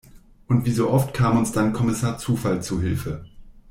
Und wie so oft kam uns dann Kommissar Zufall zu Hilfe.